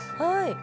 はい。